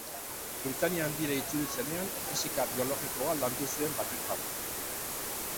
Britainia Handira itzuli zenean, fisika biologikoa landu zuen batik bat.